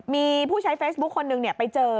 มีผู้ใช้เฟซบุ๊คคนหนึ่งไปเจอ